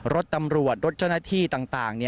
รถตำรวจรถเจ้าหน้าที่ต่าง